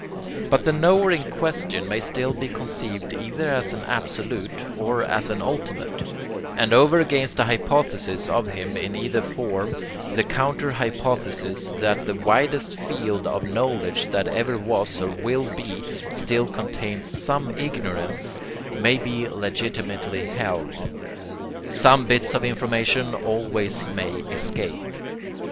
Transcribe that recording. But the knower in question may still be conceived either as an Absolute or as an Ultimate; and over against the hypothesis of him in either form the counter hypothesis that the widest field of knowledge that ever was or will be still contains some ignorance, may be legitimately held. Some bits of information always may escape.